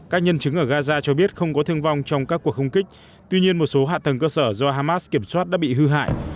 các nhân chứng ở gaza cho biết không có thương vong trong các cuộc không kích tuy nhiên một số hạ tầng cơ sở do hamas kiểm soát đã bị hư hại